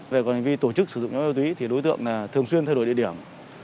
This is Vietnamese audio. về còn hành vi tổ chức sử dụng ma túy thì đối tượng thường xuyên thay đổi địa điểm